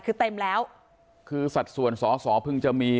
คือเต็มแล้วคือสัดส่วนสอสอเพิ่งจะมี